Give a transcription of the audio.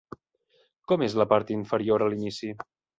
Com és la part inferior a l'inici?